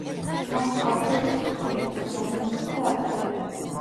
მას ჰყავდა უფროსი ძმები: ვლადიმერი და აკაკი.